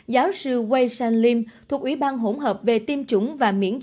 giáo sư wei shan lim thuộc ủy ban hỗn hợp về tiêm chủng và miễn dịch